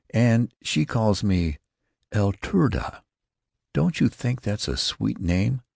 and she calls me 'Eltruda.' Don't you think that's a sweet name?